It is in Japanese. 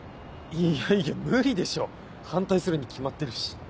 いやいや無理でしょ反対するに決まってるし。